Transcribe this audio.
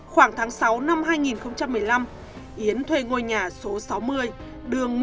khoảng tháng sáu năm hai nghìn một mươi năm yến thuê ngôi nhà số sáu mươi đường